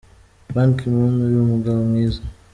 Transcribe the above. Ban Ki Moon, uri umugabo mwiza.